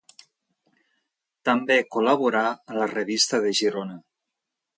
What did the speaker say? També col·laborà a la Revista de Girona.